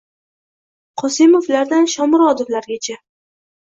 Qosimovlardan Shomurodovlargacha